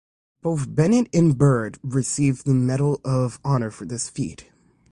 Both Bennett and Byrd received the Medal of Honor for this feat.